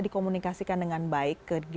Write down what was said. dikomunikasikan dengan baik ke g dua puluh